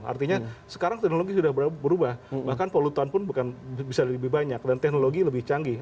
artinya sekarang teknologi sudah berubah bahkan polutan pun bisa lebih banyak dan teknologi lebih canggih